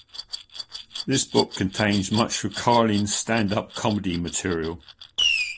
This book contains much of Carlin's stand-up comedy material.